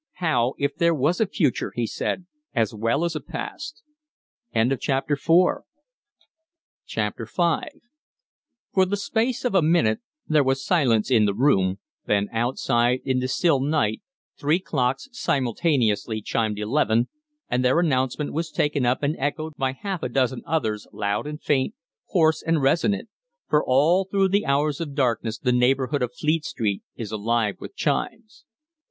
"How if there was a future," he said, "as well as a past?" V For the space of a minute there was silence in the room, then outside in the still night three clocks simultaneously chimed eleven, and their announcement was taken up and echoed by half a dozen others, loud and faint, hoarse and resonant; for all through the hours of darkness the neighborhood of Fleet Street is alive with chimes.